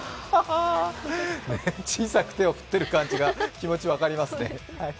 小さく手を振ってる感じが、気持ち分かりますね。